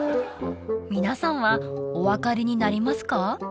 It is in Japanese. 皆さんはお分かりになりますか？